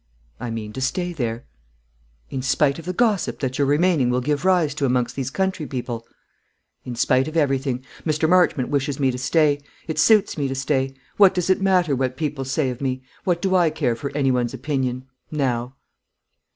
"I mean to stay there." "In spite of the gossip that your remaining will give rise to amongst these country people!" "In spite of everything. Mr. Marchmont wishes me to stay. It suits me to stay. What does it matter what people say of me? What do I care for any one's opinion now?"